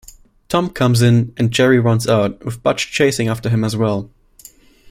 Tom comes in, and Jerry runs out, with Butch chasing after him as well.